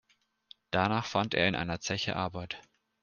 Danach fand er in einer Zeche Arbeit.